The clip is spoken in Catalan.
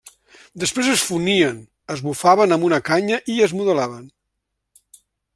Després es fonien, es bufaven amb una canya i es modelaven.